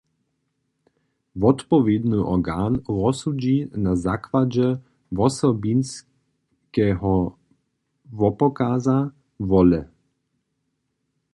Wotpowědny organ rozsudźi na zakładźe wosobinskeho wopokaza wole.